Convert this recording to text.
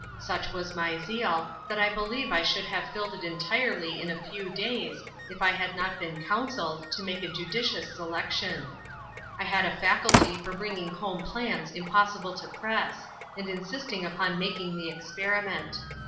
Such was my zeal, that I believe I should have filled it entirely in a few days, if I had not been counselled to make a judicious selection. I had a faculty for bringing home plants impossible to press, and insisting upon making the experiment.